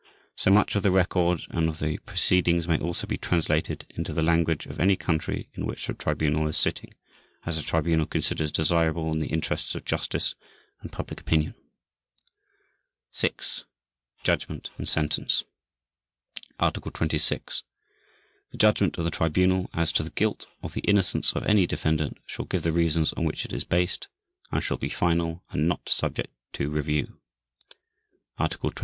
So much of the record and of the proceedings may also be translated into the language of any country in which the Tribunal is sitting, as the Tribunal considers desirable in the interests of justice and public opinion. VI. JUDGMENT AND SENTENCE Article 26. The judgment of the Tribunal as to the guilt or the innocence of any defendant shall give the reasons on which it is based, and shall be final and not subject to review. _Article 27.